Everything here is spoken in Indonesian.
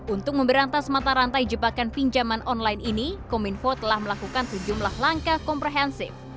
untuk memberantas mata rantai jebakan pinjaman online ini kominfo telah melakukan sejumlah langkah komprehensif